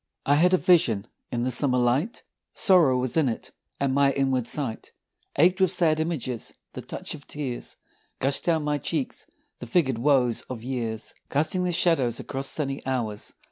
I had a vision in the summer light Sorrow was in it, and my inward sight Ached with sad images. The touch of tears Gushed down my cheeks: the figured woes of years Casting their shadows across sunny hours.